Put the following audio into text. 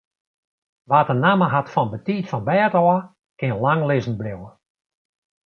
Wa't de namme hat fan betiid fan 't bêd ôf, kin lang lizzen bliuwe.